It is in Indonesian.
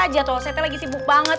jatuh sete lagi sibuk banget